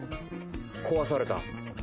壊された。